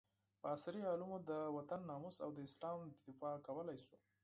په عصري علومو د وطن ناموس او د اسلام دفاع کولي شو